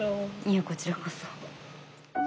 いえこちらこそ。